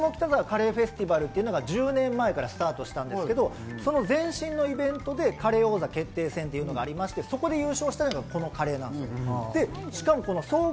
カレーフェスティバルというのが１０年前にスタートしたんですけど、その前身のイベントでカレー王座決定戦というのがあって、そこで優勝したのがこのカレーです。